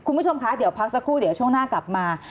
คุณผู้ชมคะเดี๋ยวพักสักครู่เดี๋ยวช่วงหน้ากลับมา